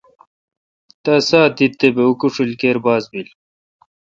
تا ساہ دیت تے° بہ اوکوشیل کیر باز بیل۔